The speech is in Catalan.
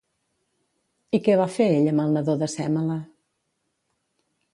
I què va fer ell amb el nadó de Sèmele?